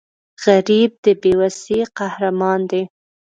غریب د بې وسۍ قهرمان دی